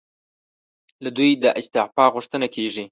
له دوی د استعفی غوښتنه کېږي.